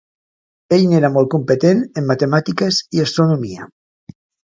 Ell n'era molt competent en matemàtiques i astronomia.